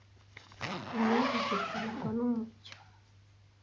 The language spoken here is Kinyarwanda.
Inyenzi zikururwa numucyo.